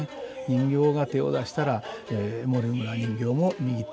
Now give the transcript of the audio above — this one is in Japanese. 人形が手を出したら森村人形も右手を出す。